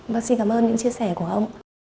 bác xin cảm ơn những chia sẻ của ông